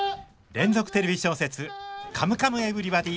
連続テレビ小説「カムカムエヴリバディ」！